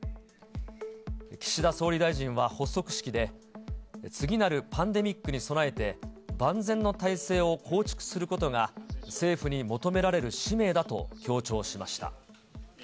岸田総理大臣は発足式で、次なるパンデミックに備えて、万全の体制を構築することが政府に求められる使命だと強調しました。